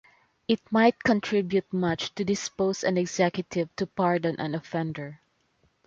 It might contribute much to dispose an executive to pardon an offender.